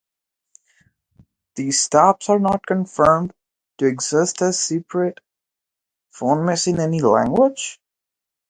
The stops are not confirmed to exist as separate phonemes in any language.